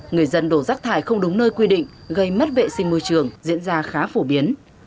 người dân đổ rác thải không đúng nơi quy định gây mất vệ sinh môi trường diễn ra khá phổ biến